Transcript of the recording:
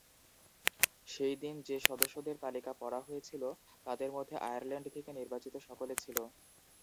সেই দিন যে-সদস্যদের তালিকা পড়া হয়েছিল, তাদের মধ্যে আয়ারল্যান্ড থেকে নির্বাচিত সকলে ছিল।